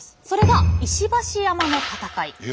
それが石橋山の戦い。